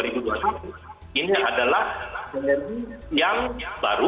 dua ribu dua puluh satu ini adalah energi yang baru